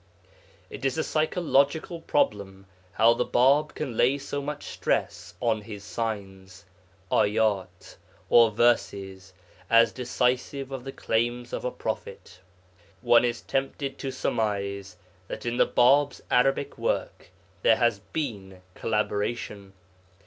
It is a psychological problem how the Bāb can lay so much stress on his 'signs' (ayât) or verses as decisive of the claims of a prophet. One is tempted to surmise that in the Bāb's Arabic work there has been collaboration.